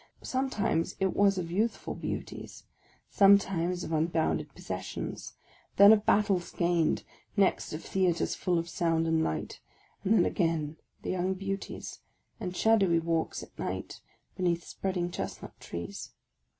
Sometimes it was of youthful beauties, sometimes of unbounded possessions, then of battles gained, next of theatres full of sound and light, and then again the young beauties, and shadowy walks at night beneath spreading chestnut trees.